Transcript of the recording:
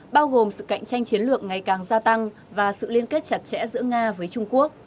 bao gồm sự cạnh tranh chiến lược ngày càng gia tăng và sự liên kết chặt chẽ giữa nga với trung quốc